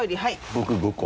僕５個。